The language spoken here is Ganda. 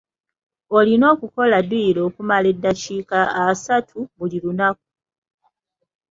Olina okukola dduyiro okumala eddakiika asatu buli lunaku.